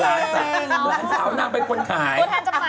หลานสาวนางเป็นคนขาย